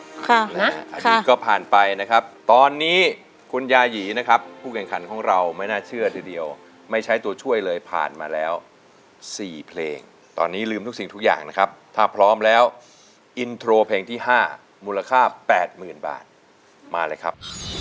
อันนี้ก็ผ่านไปนะครับตอนนี้คุณยายีนะครับผู้แข่งขันของเราไม่น่าเชื่อทีเดียวไม่ใช้ตัวช่วยเลยผ่านมาแล้ว๔เพลงตอนนี้ลืมทุกสิ่งทุกอย่างนะครับถ้าพร้อมแล้วอินโทรเพลงที่๕มูลค่า๘๐๐๐บาทมาเลยครับ